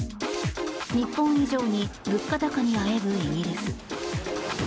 日本以上に物価高にあえぐイギリス。